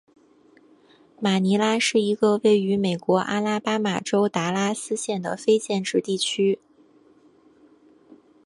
马尼拉是一个位于美国阿拉巴马州达拉斯县的非建制地区。